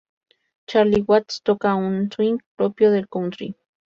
Charlie Watts toca con un swing propio del country.